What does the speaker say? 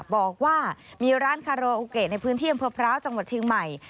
บอกว่ามีร้านคาราโอเกะในพื้นที่อำเภอพร้าวจังหวัดเชียงใหม่